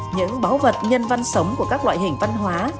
những báu vật nhân văn sống của các loại hình văn hóa